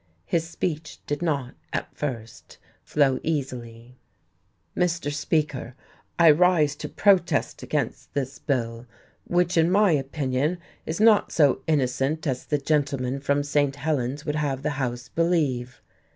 His speech did not, at first, flow easily. "Mr. Speaker, I rise to protest against this bill, which in my opinion is not so innocent as the gentleman from St. Helen's would have the House believe.